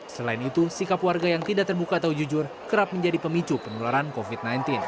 selain itu sikap warga yang tidak terbuka atau jujur kerap menjadi pemicu penularan covid sembilan belas